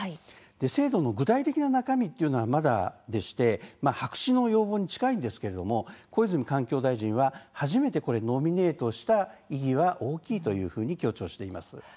制度の具体的な中身はまだでして白紙の要望に近いんですが小泉環境大臣は初めてノミネートした意義は大きいと強調しています。